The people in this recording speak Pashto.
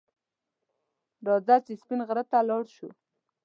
رځه چې سپین غر ته لاړ شو